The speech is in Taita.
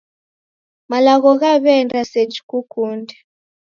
Malagho ghaw'iaenda seji kukunde?